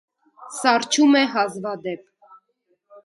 Սառչում է հազվադեպ։